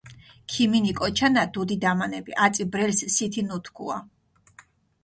ქიმინი კოჩანა, დუდი დამანები, აწი ბრელს სითი ნუ თქუა?